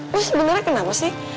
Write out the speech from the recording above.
lo sebenernya kenapa sih